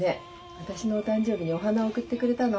私のお誕生日にお花を贈ってくれたの。